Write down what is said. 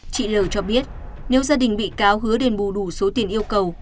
chị l cho biết nếu gia đình bị cáo hứa đền bù đủ số tiền yêu cầu